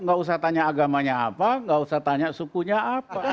nggak usah tanya agamanya apa nggak usah tanya sukunya apa